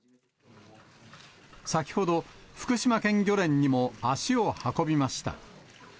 先ほど、福島県漁連にも足を運びました。